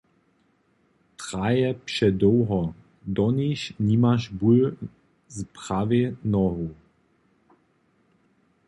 Traje předołho, doniž nimaš bul z prawej nohu.